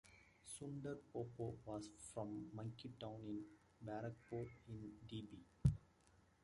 Sundar Popo was from Monkey Town in Barrackpore in Debe.